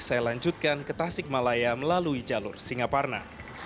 saya lanjutkan ke tasik malaya melalui jalur singaparna